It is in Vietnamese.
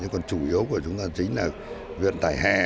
nhưng còn chủ yếu của chúng ta chính là vận tải hè và vận tải tết là nhiều nhất